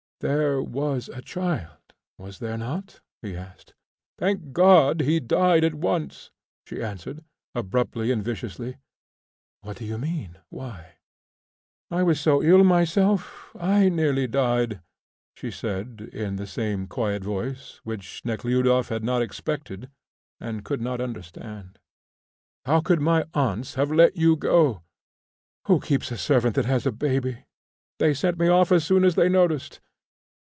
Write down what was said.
"There was a child, was there not?" he asked. "Thank God! he died at once," she answered, abruptly and viciously. "What do you mean? Why?" "I was so ill myself, I nearly died," she said, in the same quiet voice, which Nekhludoff had not expected and could not understand. "How could my aunts have let you go?" "Who keeps a servant that has a baby? They sent me off as soon as they noticed.